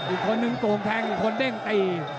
อีกคนนึงโกงแทงอีกคนเด้งตี